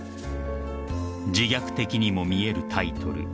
［自虐的にも見えるタイトル］